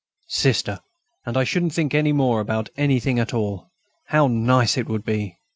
Sister! and I shouldn't think any more about anything at all.... How nice it would be!